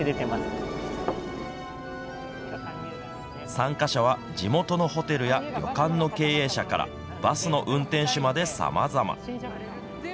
参加者は地元のホテルや旅館の経営者から、バスの運転手までさまざま。